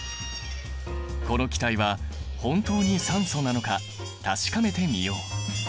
この気体は本当に酸素なのか確かめてみよう。